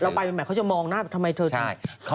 เราไปหมายเขาจะมองหน้าทำไมเธอทิ้ง